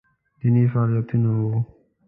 دیني فعالیتونه وو